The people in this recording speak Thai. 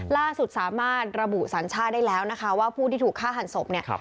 ล่าสุดสามารถระบุสัญชาติได้แล้วนะคะว่าผู้ที่ถูกฆ่าหันศพเนี่ย